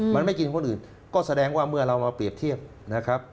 มันไม่กินคนอื่นก็แสดงว่าเมื่อเรามาเปรียบเทียบนะครับ